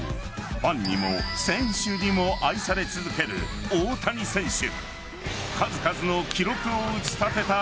ファンにも選手にも愛され続ける大谷選手。